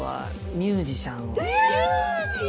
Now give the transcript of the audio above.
ミュージシャン！